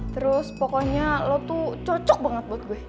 terus pokoknya lo tuh cocok banget buat gue